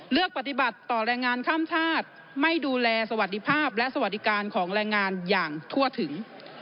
เลือกปฏิบัติต่อแรงงานข้ามชาติไม่ดูแลสวัสดิภาพและสวัสดิการของแรงงานอย่างทั่วถึง